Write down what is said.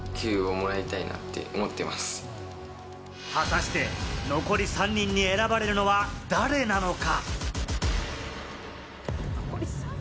果たして残り３人に選ばれるのは誰なのか？